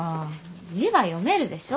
字は読めるでしょ？